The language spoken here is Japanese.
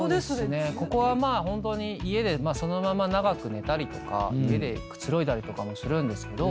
ここはまあホントに家でそのまま長く寝たりとか家でくつろいだりとかもするんですけど。